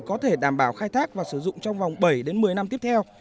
có thể đảm bảo khai thác và sử dụng trong vòng bảy đến một mươi năm tiếp theo